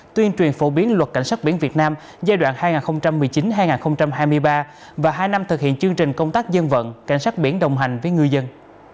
tuyên truyền phổ biến luật cảnh sát biển việt nam giai đoạn hai nghìn một mươi chín hai nghìn hai mươi ba và hai năm thực hiện chương trình công tác dân vận cảnh sát biển đồng hành với ngư dân